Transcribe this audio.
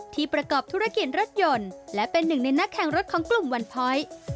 ประกอบธุรกิจรถยนต์และเป็นหนึ่งในนักแข่งรถของกลุ่มวันพอยต์